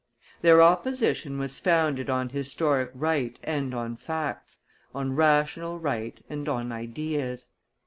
"Their opposition was founded on historic right and on facts, on rational right and on ideas.